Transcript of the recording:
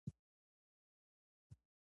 زده کوونکي باید خپل کورنی کار وکړي.